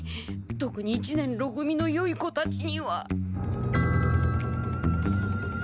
とくに一年ろ組のよい子たちに。